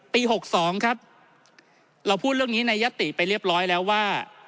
๖๒ครับเราพูดเรื่องนี้ในยติไปเรียบร้อยแล้วว่า